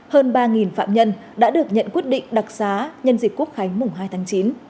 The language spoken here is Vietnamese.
hơn ba phạm nhân đã được nhận quyết định đặc xá nhân dịp quốc khánh mùng hai tháng chín